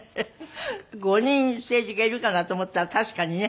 ５人政治家いるかなと思ったら確かにね。